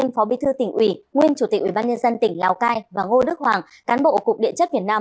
xin chào các bạn